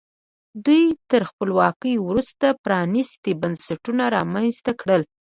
دوی تر خپلواکۍ وروسته پرانیستي بنسټونه رامنځته کړل.